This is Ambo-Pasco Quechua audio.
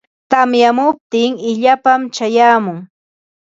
Tamyamuptin illapam chayamun.